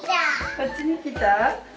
こっちに来た？